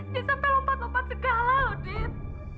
dia sampai lompat lompat ke galau dit